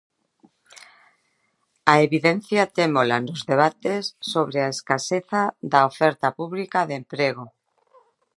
A evidencia témola nos debates sobre a escaseza da oferta pública de emprego.